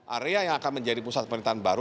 area yang akan menjadi pusat pemerintahan baru